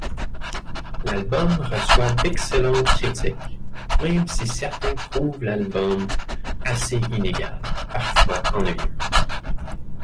L'album reçoit d'excellentes critiques, même si certains trouvent l'album assez inégal, parfois ennuyeux.